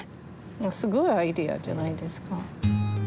すごいアイデアじゃないですか。